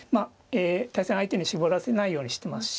対戦相手に絞らせないようにしていますし。